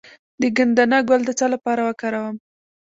د ګندنه ګل د څه لپاره وکاروم؟